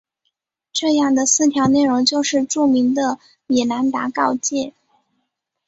这样的四条内容就是著名的米兰达告诫。